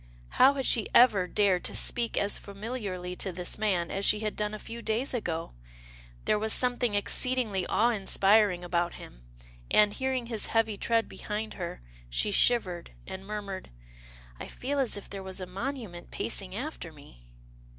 How had she ever dared to speak as familiarly to this man, as she had done a few days ago? There was something exceedingly awe inspiring about him, and, hearing his heavy tread behind her, she shivered, and murmured, " I feel as if there was a monument pacing after me."